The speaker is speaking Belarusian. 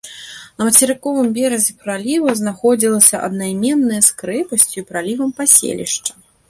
На мацерыковым беразе праліва знаходзілася аднайменнае з крэпасцю і пралівам паселішча.